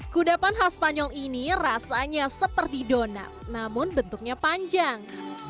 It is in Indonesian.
kudapan haspaniong ini rasanya seperti donat namun bentuknya panjang